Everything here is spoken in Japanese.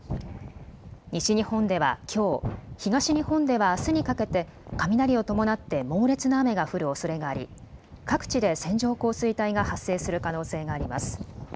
西日本ではきょう、東日本ではあすにかけて雷を伴って猛烈な雨が降るおそれがあり各地で線状降水帯が発生する可能性があります。